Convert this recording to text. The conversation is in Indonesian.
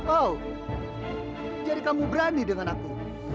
oh jadi kamu berani dengan aku